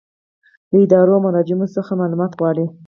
له ادارو او مراجعو څخه معلومات غواړي.